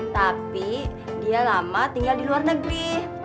tapi dia lama tinggal di luar negeri